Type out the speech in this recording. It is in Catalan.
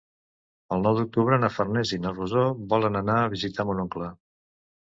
El nou d'octubre na Farners i na Rosó volen anar a visitar mon oncle.